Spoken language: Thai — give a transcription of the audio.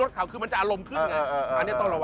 ใคร